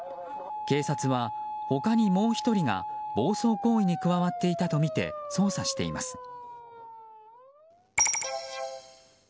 警察は他に、もう１人が暴走行為に加わっていたとみて捜査しています。